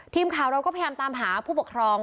ทีมข่าวเราก็พยายามตามหาผู้ปกครอง